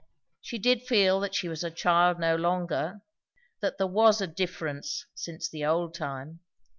She did feel that she was a child no longer; that there was a difference since the old time.